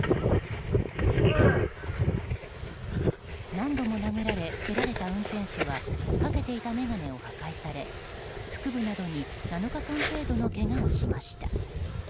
何度も殴られ蹴られた運転手はかけていた眼鏡を破壊され腹部などに７日間程度のけがをしました。